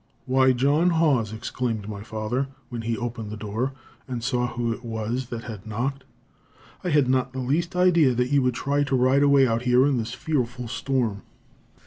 "Why, John Haws!" exclaimed my father, when he opened the door, and saw who it was that had knocked. "I had not the least idea that you would try to ride away out here in this fearful storm."